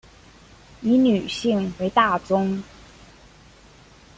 以女性为大宗